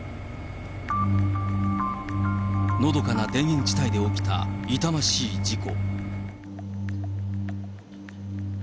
のどかな田園地帯で起きた痛ましい事故。